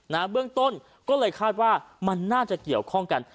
เบื้องต้นก็เลยคาดว่ามันน่าจะเกี่ยวข้องกัน